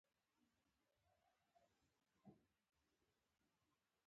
آزاد تجارت مهم دی ځکه چې ماشینونه راوړي.